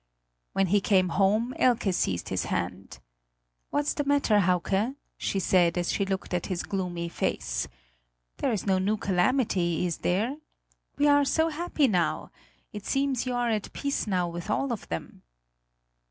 When he came home, Elke seized his hand. "What's the matter, Hauke?" she said, as she looked at his gloomy face. "There is no new calamity, is there? We are so happy now; it seems, you are at peace now with all of them."